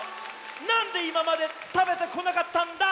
なんでいままでたべてこなかったんだ！